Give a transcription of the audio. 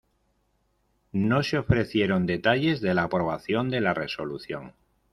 No se ofrecieron detalles de la aprobación de la resolución.